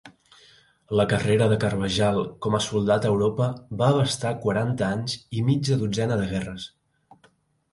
La carrera de Carvajal com a soldat a Europa va abastar quaranta anys i mitja dotzena de guerres.